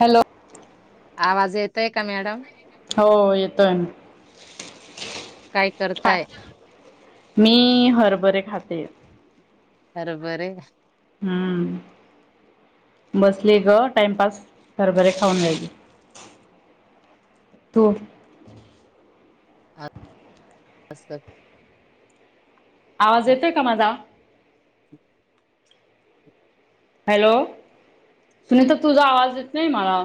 Hello आवाज येतय का मॅडम हो येतोय काय मी हरभरे खाते अरबर हम्म बसली ग टाइमपास घरभरे खाऊन घ्याली तू असच आवाज येतय का माझा हॅलो सुनीता तुझा आवाज देत नाही मला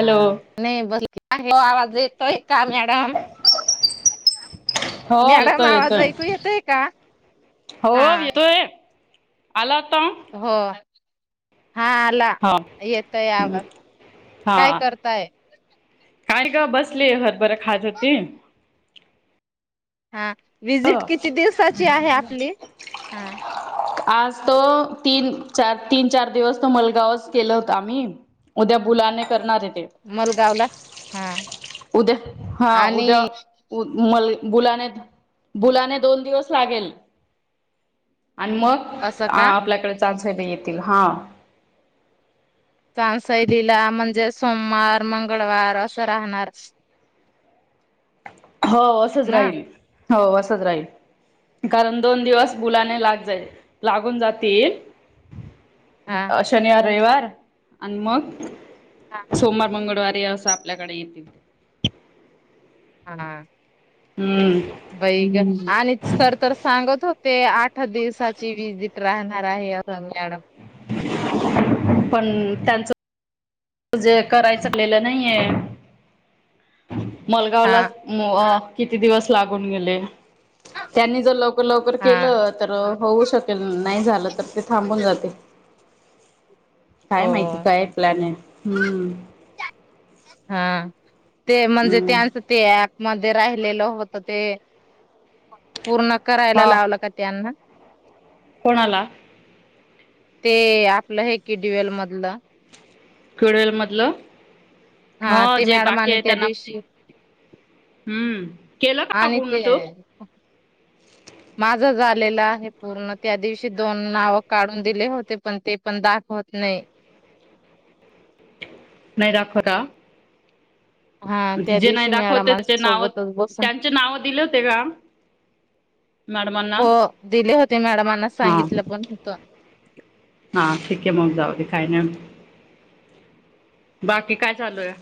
हा नाही बसां आवाज येतोय का मॅडम [inaudible] हो मॅडम येतोय आवाज येतोय ऐकू येतय का हो हा येतोय आला आता हो हा आला हा येत यावाज काय हा करत काय काय ग बसले हरभरं खाज होती हा विजिट किती दिवसाची आहे आपली हा आज तो तीन चार तीन चार दिवस तो मलगावच केला होत आम्ही उद्या मुुलांने करणार आहे ते मलगावला हा उद्या हा उद्या आणि मल बुलाने बुलाने दोन दिवस लागेल आणि मग असं का आपल्याकडे चासय नाही येतील हा सशैलीला म्हणजे सोमवार मंगळवार असं राहणार हो असंच ना राहील हो असंच राहील कारण दोन दिवस मुुलाने लाग लागून जातील हा शनिवार रविवार आणि मग सोमवार मंगळवारी असं आपल्याकडे येतील हा हम्म बै ग आणि सर तर सांगत होते आठ दिवसाची विजिट राहणार आहे सॅड पण त्यांच त जे करायचंलं नाहीये मलगावला हा म किती दिवस लागून गेले त्यांनी जर लवकर लवकर हा केलं तर होऊ शकेल नाही झालं तर ते थांबून जाते काय हो माहिती काय प्लॅन आहे हम्म हा ते म्हणजे हम्म त्यांचं ते मध्ये राहिलेलं होत ते पूर्ण करायला हा लावलं का त्यांना कोणाला ते आपलं हे केडुवेल मधलं खडवेल मधलं हा ह ते जे बाकी मॅडमने आहे त्या त्यांना दिवशी हम्म केलं का आणि पूर्ण ते तू माझं झालेलं आहे पूर्ण त्या दिवशी दोन नाव काढून दिले होते पण ते पण दाखवत नाही नाही दाखवत का हा त्या नाही दिवशी मळाळा दाखवते माणस त्याचे नाव सोबतच बस त्यांचे नाव दिले होते का मॅडमांना हो दिले होते मॅडमांना हा सांगितलं पण होतं. हा ठीक आहे मग जाऊ दे काय नाही बाकी काय चालू आहे.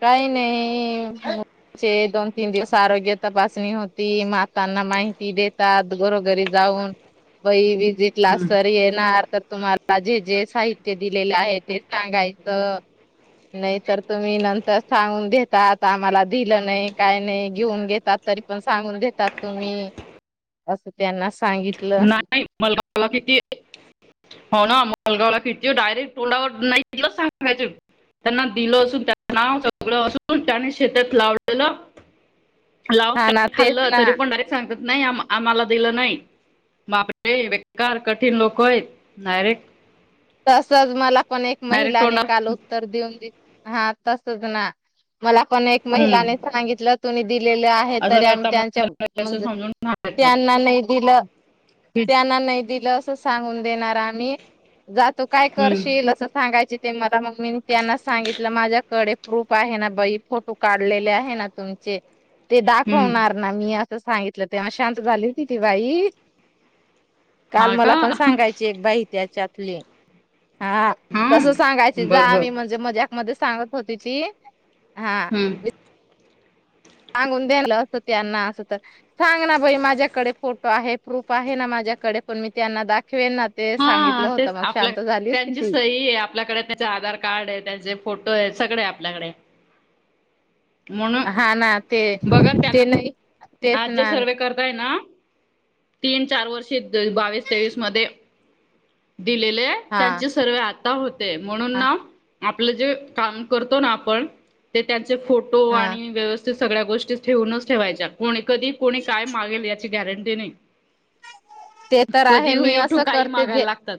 काही नाही दोन तीन दिवस आरोग्य तपासणी होती माताना माहिती देतात. घरोघरी जाऊन वही विजिट क्लास सर येणार तर तुम्हाला जे जे साहित्य दिलेले आहे ते सांगायचं. नाही तर तुम्ही नंतर सांगून देतात आम्हाला दिलं नाही काय नाही घेऊन घेतात. तरी पण सांगून देतात तुम्ही असं त्यांना सांगित नाही मला मला किती. हो ना मालगावला फिरते डायरेक्ट तोंडावर नाहीत सांगायचे. त्यांना दिलं असून त्याच नाव सगळं असून त्याने शेतात लावलेलं. हा ना लावून तेच खाल्ल ना तरी पण डायरेकट सांगत नाही आ आम्हाला दिलं नाही. माले बेकार कठीण लोक आहेत डायरेक्ट तसच मला पण एक डायरेक्ट महिला निकाल तोंडावर हो तर देऊन दि हा तसच ना मला पण एक हम्म. महिलाने सांगितलं तुनी दिलेले आहे असं तरी आम्ही करता त्यांच्या म्हणून त्यांना असं म्हणजे समजून सांगायचं त्यांना नाही दिलं त्यांना नाही दिलं असं सांगून देणार आम्ही जातो काय हम्म. करशील अस सांगायचे ते मला मग मी त्यांना सांगितलं माझ्याकडे प्रूफ आहे ना बाई फोटो काढलेले आहे ना तुम जे ते हम्म. दाखवणार ना मी असं सांगितलं तेव्हा शांत झाली होती ती बाई काल हा का मला पण सांगायची एक बाई त्याच्यातली हा तस हम्म सांगायचं जा बघ आम्ही म्हण मजाक मध्ये सांगत होती ती हा हम्म सांगून द्यालं असं त्यांना असं तर सांग ना बाई माझ्याकडे फोटो आहे प्रूफ आहे ना माझ्याकडे पण मी त्यांना दाखवेन ना, ते हा सांगितलं तेच होतं मग आपल्या शांत झाली होती त्यांची ती सही आहे आपल्याकडे आधार कार्ड आहे त्यांचे फोटो आहे सगळे आपल्याकडे हा ना ते म्हणून बघा ते त्यांना नाही तेच आज जे ना सर्वे करताय ना तीन चार वर्षी बावीस तेवीस मध्ये दिलेले हा त्यांचे सर्वे आता होते म्हणून हा ना आपलं जे काम करतो ना आपण ते त्यांचे फोटो हा आणि व्यवस् सगळ्या गोष्टी ठेवूनच ठेवायच्या कोणी कधी कोणी काय मागेल याची गॅरंटी नाही. ते तर आहे कधी मी उठून असं काही करते मागायला जे लागतात.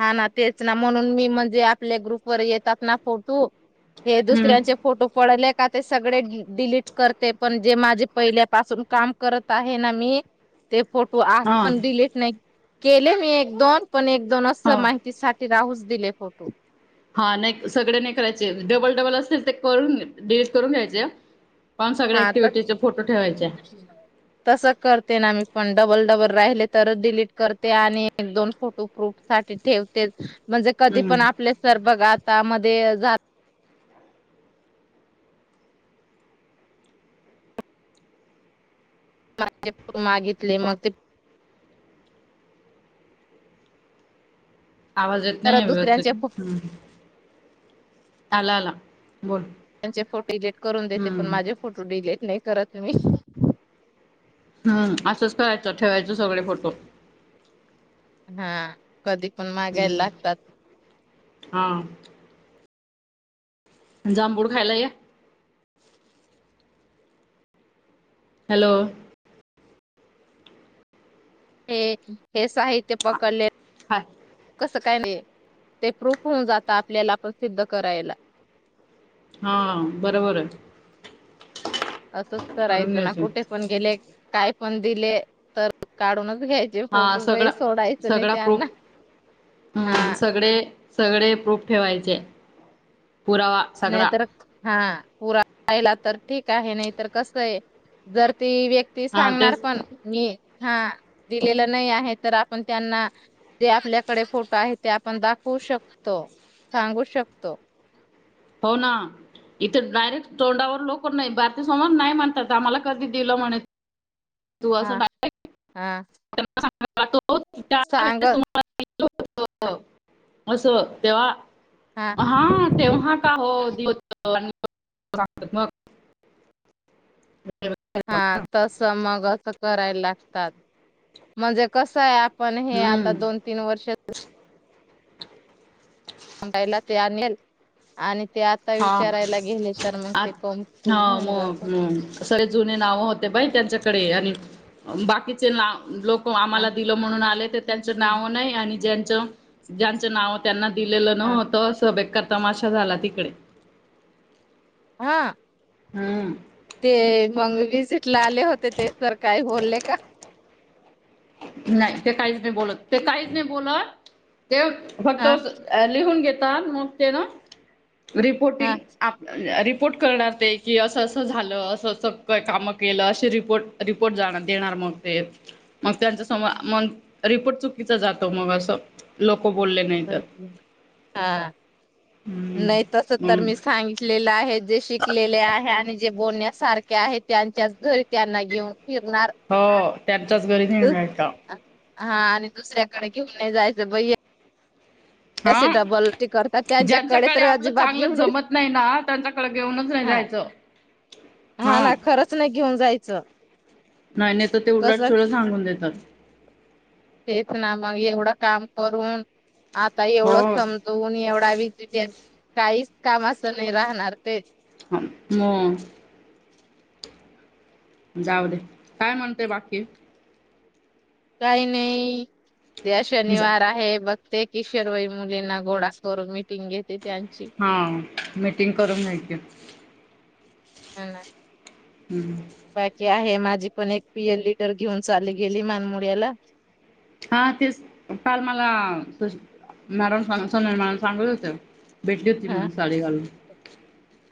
हा ना तेच ना म्हणून मी म्हणजे आपल्या ग्रुप वर येतात ना फोटो हे हम्म दुसऱ्यांचे फोटो पडले का ते सगळे डिलीट करते पण जे माझे पहिल्यापासून काम करत आहे ना मी ते फोटो आज हा पण डिलीट नाही केले मी एक दोन पण एक दोन असं हो माहिती सा राहूस दिले फोटो हा नाही सगळे नाही करायचे डबल डबल असतील ते करून डिलीट करून घ्यायचे. पण सग्या क्टिव्हिटीचे फोटो ठेवायचे. ह तस करते ना मी पण डबल डबल राहिले तरच डिलीट करते आणि एक दोन फोटो प्रूफ साठी ठेवते म्हणजे कधी पण हम्म. आपले सर बघ आतामध्येध्ये माे मागितले मग ते आवाज येत परत नाही दुसऱ्यांचे व्यवस्थित आला आला बोल. त्यांचे फोटो डिलिट करून देते पण हम्म माझे फोटो डिलीट नाही करत मी हम्म असंच करायचं ठेवायचं सगळे फोटो हा कधी पण मागायला हम्म लागतात. हा. जांबूड खायला ये. हॅलो. हे हे साहित्य पकडले. हाय. काय नाही ते प्रूफ होऊन जात आपल्याला पण सिद्ध करायला हा बरोबर आहे. असंच करून करायचं ना घ्यायचे कुठे पण गेले काय पण दिले तर काढूनच घ्यायच. हा सगळा सगळा प्रफ हम्म हा सगळे. सगळे प्रूफ ठेवायचे पुरावा नाही सगळा तर हा पुरा रायला तर ठीक आहे नाही तरर कस आहे जर ती व्यक्ती ते हा सांगणार तेच पण मी हा दिलेलं नाही आहे तर आपण त्यांना जे आपल्याकडे फोटो आहे ते आपण दाखवू शकतो सांगू शकतो. पाौना इथं डायरेक्ट तोंडावर लोक नाही भारतीय समर नाही म्हणतात आम्हाला कधी दिलं म्हणत. हा हा. ो त्या वेळेस सांगत तुम्हाला अस तेव्हा हा. तेव्हा का हो सांगत मग हा तस मग असं करायला लागतात. म्हणजे कसं आहे आपण हे आता हम्म. दोन तीन वर्ष ायला तया मल आणि ते आता हा विचारायला गेले तर मग ते आत कमू हा घेऊन मग जात. मग सगळे जुने नाव होते बाई त्यांच्याकडे आणि बाकीचे ला लोक हा आम्हाला दि म्हणून आले त्यांच नाव नाही आणि जच जच नाव त्यांना दिलेलं हा नत सभग करता माशा झाला तिकडे ह. हम्म. ते मग विजिट ला आले होते ते सर काही बोलले का? नाही ते काहीच नाही बोलत ते काहीच नाही बोलत ते फक्त हा ल घ. हा रिपोर्ट करणार ते की असं असं झालं असं असं कामं केलं असे रिपोर्ट रिपोर्ट जा देणार मग ते मग त्यां रिपोर्ट चुकीच जातो मग असं. लोक बोलले नाही तर हा. हम्म नाही तस तर हम्म मी सांगित लेलं आहे जे शिकलेले आहे आणि जे बोलण्यासारखे आहे त्यांच्याच घरी त्यांना घेऊन फिरणार हो त्यांच्याच घरी नाही मि का? हा आणि दुसऱ्याकडे घेऊन नाही जायचं ब हा टी करतात त्यांच्याकडे ज्यांच्याकडे तर आपलं अजिबात चांगलं घेऊन जमत नाही ना त्यांच्याकडे घेऊनच नाही हा जायचं. [inaudible] हा ना खरंच नाही घेऊन जायचं. नाही नाही तर ते उललाट कसं ढ सांगून देतात. तेच ना मग एवढं काम करून आता एवढं हो समज दोन एवढा वच काहीच काम असं नाही राहणार तेच ह म जाऊ दे काय म्हणतेय बाकी काही नाही त्या शनिवार आहे बघ ते किशोरवाई मुलींना घोडा करून मिीटिंग घेते त्यांची होा मिीटिंग करून घके ह हम् बाकी आहे माझी पण एक पी एल िटर घेऊन चाली गेली मानमळला हा तेच काल मला म सून सांगले होते बेठली होती मून सले गालून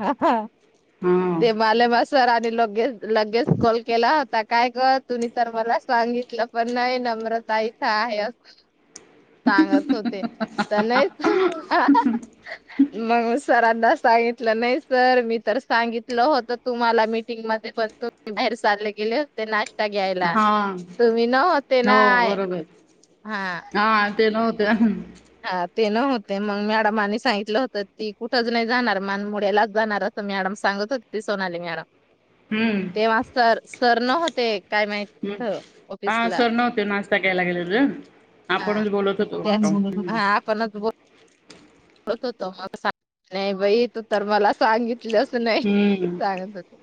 ह ह ते माले म सर आणि लगेच लगेच कॉल केला होता काय कर तुम्ही तर मला सांगितलं पण नाही नम्रता इथं आहे सांगत होते तर नाही मग सरांना सांगित लं नाही सर मी तर सांगितलं होत तुम्हाला मीटिंग मध्ये पण तुम् बाहेर चालले गेले हो ते नाश्ता घ्यायला हा तुम्ही न होते ना हो बरोबर हा ते नव्हते हा ते न होते मग मॅडमनी सांगितलं होतं ती कुठंच नाही जाणार मान मुड्यालाच जाणार मॅडम सांगतो ति ती सोनली मॅडम तेव्हा सर सर न होते काय माहिती तिथं ऑफिसला यला गेलं आपणच बोलत होतो आपणचत म बाई तू तर मला सांगित नाही हम्म सांगत हो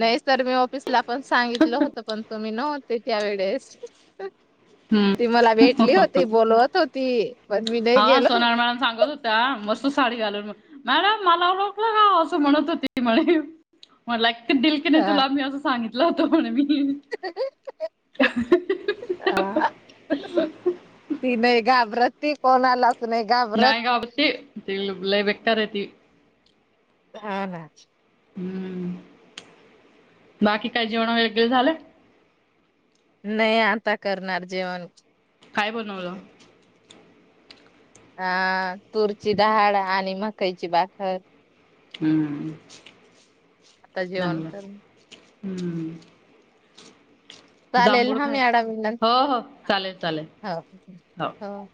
नाही तरर मी ऑफिसला पण सांगितलं होत पण तु्ही नव्हते त्या वेळेस ती मला भेटली हम्म होती बोलवत हो ती पण मी नाही गेल सांत मस्त साडी घालून मॅडम मला ओळखलं काा असं म्हणत होती म्हणे म्हणला एक दिलक नाही तुला मी असं सांगितलं होतं म्हण मी ह अ ती नाही घाबरत ती कोणालाच नाही घाबरत नयग आवतल् लई बेक्तारती हा ना हम्म बाकी काही जेवण वेगे झालं नाही आता करणार जेवण काय बोलणवलं अ तूरची डाळ आणि मकाईची बाखर हम् आता जेवण चांगलंच करणार हम्म, चालेल जांभूळ हं खाय मॅडम हो हो चालेल चालेल हो हो.